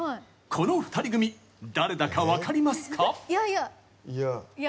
この２人組誰だか分かりますか？